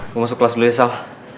gue masuk kelas dulu ya sal